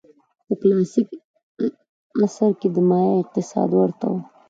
په کلاسیک عصر کې د مایا اقتصاد ورته و.